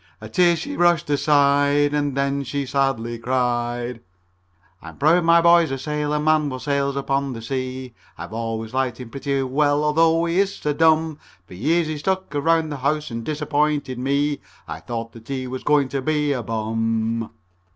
A tear she brushed aside, And then she sadly cried: CHORUS "I'm proud my boy's a sailor man what sails upon the sea. I've always liked him pretty well although he is so dumb. For years he's stuck around the house and disappointed me. I thought that he was going to be a bum."